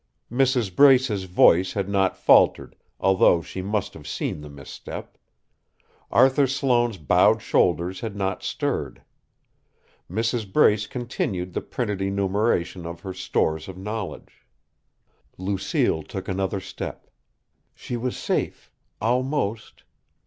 Mrs. Brace's voice had not faltered, although she must have seen the misstep. Arthur Sloane's bowed shoulders had not stirred. Mrs. Brace continued the printed enumeration of her stores of knowledge. Lucille took another step. She was safe! almost.